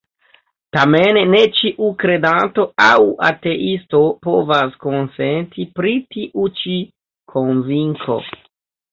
Tamen ne ĉiu kredanto aŭ ateisto povas konsenti pri tiu ĉi konvinko.